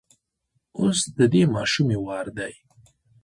اوس د دې ماشومې وار دی.